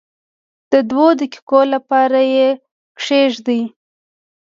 د دوو دقیقو لپاره یې کښېږدئ.